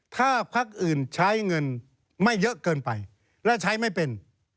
ถ้าพักอื่นใช้เงินไม่เยอะเกินไปและใช้ไม่เป็น